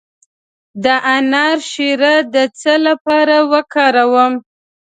د انار شیره د څه لپاره وکاروم؟